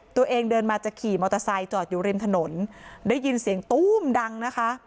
ตัวเองเดินมาจะขี่มอเตอร์ไซค์จอดอยู่ริมถนนได้ยินเสียงตู้มดังนะคะ